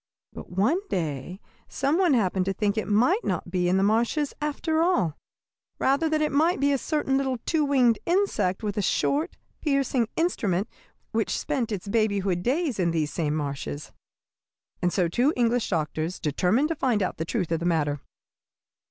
But one day some one happened to think it might not be in the marshes, after all; rather that it might be a certain little two winged insect with a short, piercing instrument, which spent its babyhood days in these same marshes. "And so two English doctors determined to find out the truth of the matter.